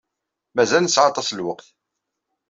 Mazal nesɛa aṭas n lweqt.